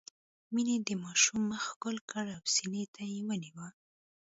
مينې د ماشوم مخ ښکل کړ او سينې ته يې ونيوه.